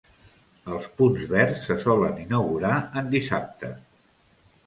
Els punts verds se solen inaugurar en dissabte.